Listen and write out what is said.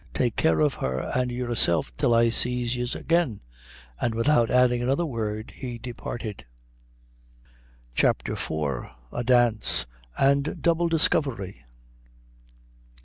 Take care of her and yourself till I sees yez again." And without adding another word he departed. CHAPTER IV. A Dance, and Double Discovery.